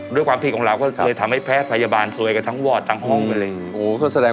ด้วยความผิดของเราก็เลยทำให้แพทย์พยาบาลเพราะกันทั้งวอร์ดทั้งห้องไปเลย